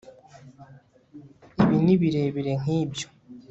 ibi ni birebire nkibyo